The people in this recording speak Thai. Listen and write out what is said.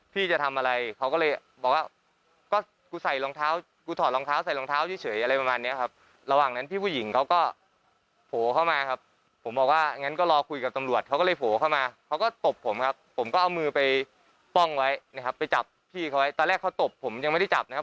ไปจับพี่เขาไว้ตอนแรกเขาตบผมยังไม่ได้จับนะครับ